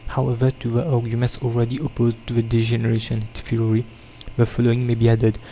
However, to the arguments already opposed to the degeneration theory, the following may be added.